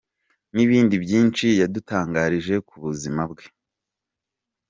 Nibindi byinshi yadutangarije ku buzima bwe.